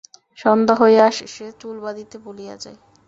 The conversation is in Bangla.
সন্ধ্যা হইয়া আসে, সে চুল বাঁধিতে ভুলিয়া যায়।